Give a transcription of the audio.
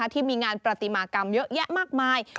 ที่มีงานประติมากรรมเยอะแยะมากมาย